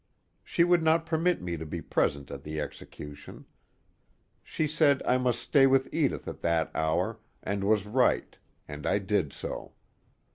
She would not permit me to be present at the execution. She said I must stay with Edith at that hour, and that was right, and I did so.